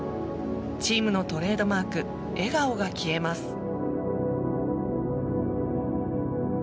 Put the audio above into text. チームのトレードマーク笑顔が消えます。